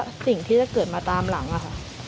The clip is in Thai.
สิ่งที่จะเกิดมาตามหลังอะค่ะ